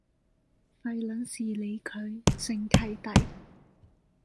廢撚事理佢，正契弟